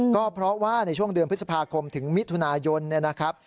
ก็เพราะว่าในช่วงเดือนพฤษภาคมถึงมิถุนายนเนี่ยนะครับ